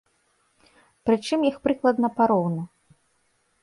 Прычым іх прыкладна пароўну.